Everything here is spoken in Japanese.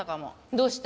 どうして？